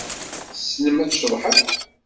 Tessnem ad tceḍḥem?